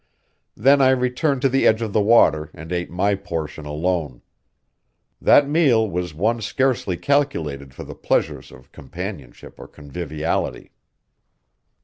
Then I returned to the edge of the water and ate my portion alone. That meal was one scarcely calculated for the pleasures of companionship or conviviality.